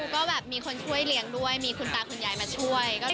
ก็แบบมีคนช่วยเลี้ยงด้วยมีคุณตาคุณยายมาช่วย